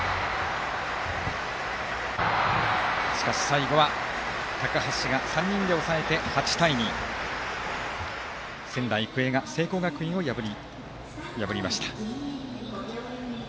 しかし最後は高橋が３人で抑えて８対２、仙台育英が聖光学院を破りました。